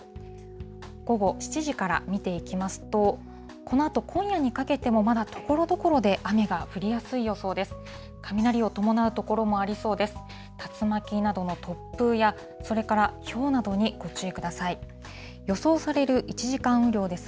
午後７時から見ていきますと、このあと今夜にかけても、まだところどころで雨が降りやすい予想です。